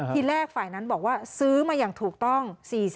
ทีแรกฝ่ายนั้นบอกว่าซื้อมาอย่างถูกต้อง๔๐